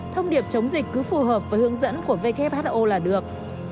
thông điệp chống dịch cứ phù hợp với hướng dẫn của who là được